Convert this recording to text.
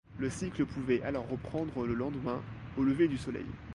Le cycle pouvait alors reprendre le lendemain, au lever du Soleil.